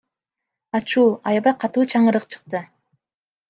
Ачуу, аябай катуу чаңырык чыкты.